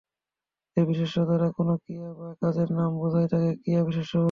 যে বিশেষ্য দ্বারা কোন ক্রিয়া বা কাজের নাম বোঝায় তাকে ক্রিয়া বিশেষ্য বলে।